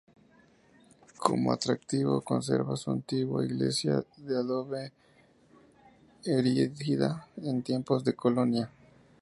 Como atractivo, conserva su antigua Iglesia de adobe, erigida en tiempos de la colonia.